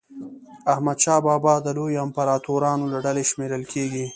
حمدشاه بابا د لویو امپراطورانو له ډلي شمېرل کېږي.